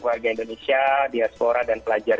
warga indonesia diaspora dan pelajar